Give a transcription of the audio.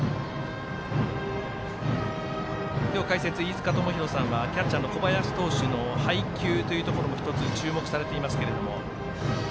今日解説、飯塚智広さんはキャッチャーの小林選手の配球というところも１つ注目されています。